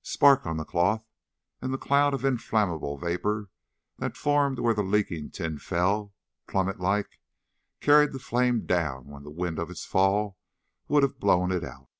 Spark on the cloth, and the cloud of inflammable vapor that formed where the leaking tin fell plummetlike, carried the flame down when the wind of its fall would have blown it out.